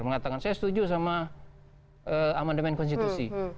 mengatakan saya setuju sama amandemen konstitusi